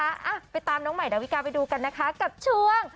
อ่ะไปตามน้องใหม่ดาวิกาไปดูกันนะคะกับช่วง